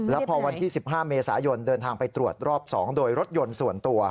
แล้วพอวันที่๑๕เมษายนเดินทางไปตรวจรอบ๒โดยรถยนต์ส่วนตัว